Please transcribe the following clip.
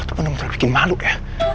lo tuh bener bener bikin malu ya